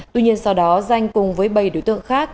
tuy nhiên sau đó danh cùng với bảy đối tượng khác